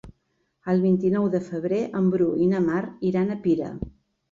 El vint-i-nou de febrer en Bru i na Mar iran a Pira.